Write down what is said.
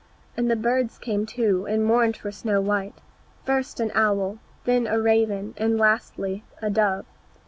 And the birds came too, and mourned for Snow white, first an owl, then a raven, and lastly, a dove.